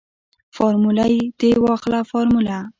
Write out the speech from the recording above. فارموله تې واخله فارموله.